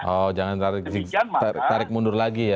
oh jangan tertarik mundur lagi ya